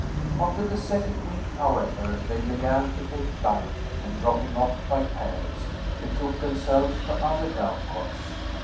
After the second week, however, they began to take flight, and dropping off by pairs, betook themselves to other dove cotes.